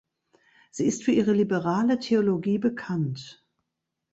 Sie ist für ihre liberale Theologie bekannt.